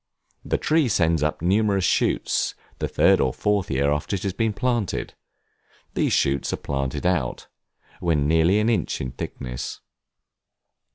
The tree sends up numerous shoots the third or fourth year after it has been planted; these shoots are planted out, when nearly an inch in thickness.